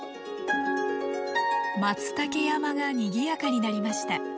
マツタケ山がにぎやかになりました。